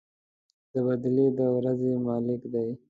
د بَدلې د ورځې مالك دی.